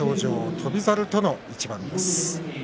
翔猿との一番です。